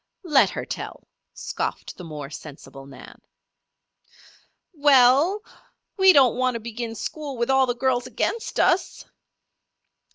"Let her tell," scoffed the more sensible Nan. "We ell! We don't want to begin school with all the girls against us."